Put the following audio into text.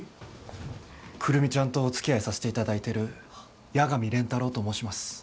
久留美ちゃんとおつきあいさせていただいてる八神蓮太郎と申します。